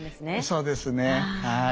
そうですねはい。